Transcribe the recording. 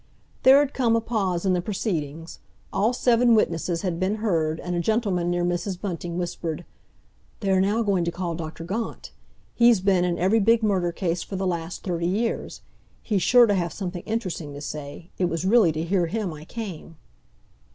There had come a pause in the proceedings. All seven witnesses had been heard, and a gentleman near Mrs. Bunting whispered, "They are now going to call Dr. Gaunt. He's been in every big murder case for the last thirty years. He's sure to have something interesting to say. It was really to hear him I came."